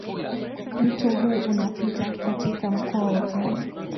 Mto huu unapita katika mkoa wote hadi